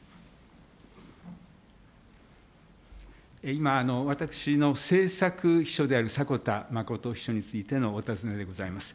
今、私の政策秘書であるさこたまこと秘書についてのお尋ねでございます。